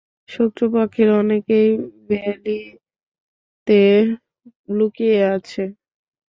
শত্রুপক্ষের অনেকেই ভ্যালিতে লুকিয়ে আছে।